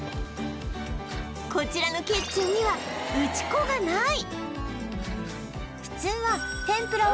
こちらのキッチンには打ち粉がない！